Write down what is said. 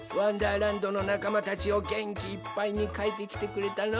らんど」のなかまたちをげんきいっぱいにかいてきてくれたのう！